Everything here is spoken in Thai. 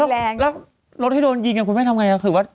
แรงแล้วรถที่โดนยิงคุณแม่ทำไงถือว่า